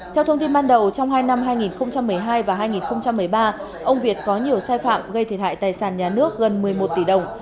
theo thông tin ban đầu trong hai năm hai nghìn một mươi hai và hai nghìn một mươi ba ông việt có nhiều sai phạm gây thiệt hại tài sản nhà nước gần một mươi một tỷ đồng